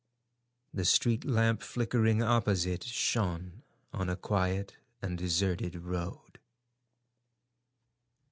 The street lamp flickering opposite shone on a quiet and deserted road.